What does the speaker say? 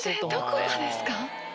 どこがですか？